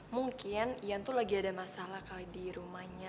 mungkin ian tuh lagi ada masalah kali di rumahnya